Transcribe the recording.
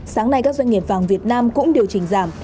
sáng nay các doanh nghiệp vàng việt nam cũng điều chỉnh giảm